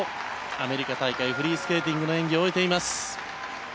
アメリカ大会フリースケーティングの演技を終えています。